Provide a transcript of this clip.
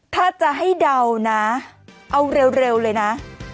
ถ้าจะให้เดานะเอาเร็วเลยนะ